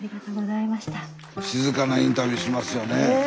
静かなインタビューしますよね。